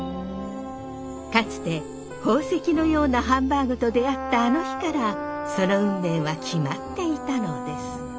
かつて宝石のようなハンバーグと出会ったあの日からその運命は決まっていたのです。